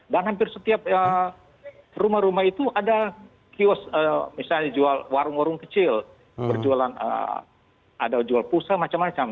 dan hampir setiap rumah rumah itu ada kios misalnya jual warung warung kecil ada jual pusat macam macam